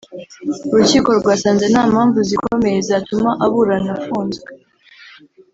urukiko rwasanze nta mpamvu zikomeye zatuma aburana afunzwe